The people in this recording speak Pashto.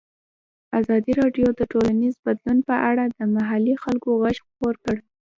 ازادي راډیو د ټولنیز بدلون په اړه د محلي خلکو غږ خپور کړی.